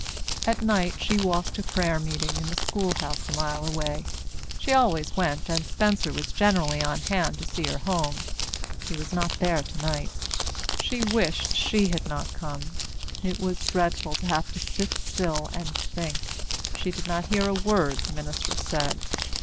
At night she walked to prayer meeting in the schoolhouse a mile away. She always went, and Spencer was generally on hand to see her home. He was not there tonight. She wished she had not come. It was dreadful to have to sit still and think. She did not hear a word the minister said.